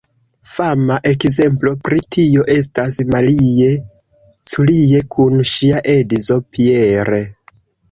Fama ekzemplo pri tio estas Marie Curie kun ŝia edzo Pierre.